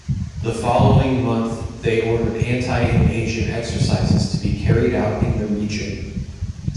The following month they ordered anti-invasion exercises to be carried out in the region.